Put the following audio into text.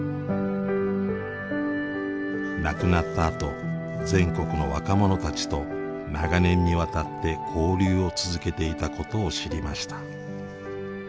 亡くなったあと全国の若者たちと長年にわたって交流を続けていたことを知りました。